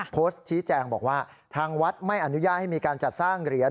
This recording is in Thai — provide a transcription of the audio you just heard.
โพสต์ชี้แจงบอกว่าทางวัดไม่อนุญาตให้มีการจัดสร้างเหรียญ